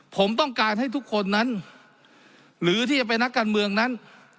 ผมต้องการให้ทุกคนนั้นหรือที่จะเป็นนักการเมืองนั้น